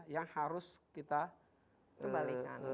yang harus kita menarik